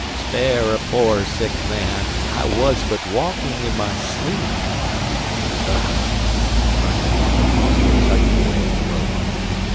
"Spare a poor sick man I was but walking in my sleep." "Ugh!" grunted Lambert, still tugging away at the rope.